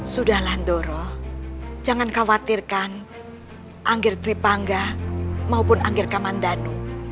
sudahlah doro jangan khawatirkan anggir twipangga maupun anggir kamandanu